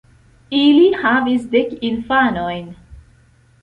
Ili havis dek infanojn.